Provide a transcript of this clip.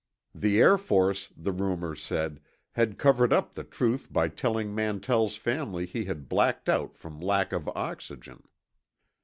The Air Force, the rumors said, had covered up the truth by telling Mantell's family he had blacked out from lack of oxygen.